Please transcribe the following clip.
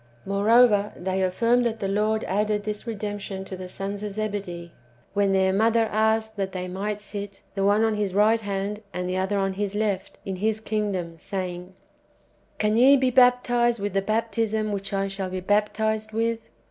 ^ Moreover, they affirm that the Lord added this redemption to the sons of Zebedee, when their mother asked that they might sit, the one on His right hand, and the other on His left, in His kingdom, saying, " Can ye be baptized with the baptism which I shall be baptized with?""